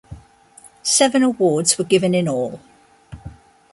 Seven awards were given in all.